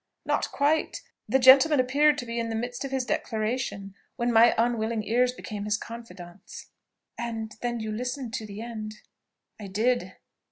"Not quite. The gentleman appeared to be in the midst of his declaration when my unwilling ears became his confidants." "And then you listened to the end?" "I did."